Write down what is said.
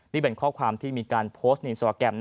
นี่เป็นข้อความที่มีการโพสต์ในอินสตราแกรม